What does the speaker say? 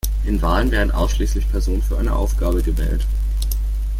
In Wahlen werden ausschließlich Personen für eine Aufgabe gewählt.